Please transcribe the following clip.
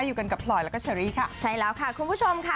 อยู่กันกับพลอยแล้วก็เชอรี่ค่ะใช่แล้วค่ะคุณผู้ชมค่ะ